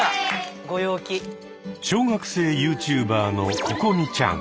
小学生ユーチューバーのここみちゃん。